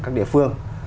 các địa phương